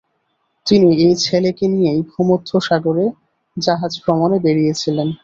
তিনি এই ছেলেকে নিয়েই ভূমধ্যসাগরে জাহাজ ভ্রমণে বেরিয়েছিলেন।